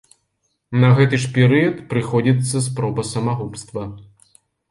На гэты ж перыяд прыходзіцца спроба самагубства.